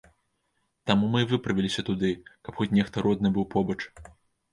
Таму і мы выправіліся туды, каб хоць нехта родны быў побач.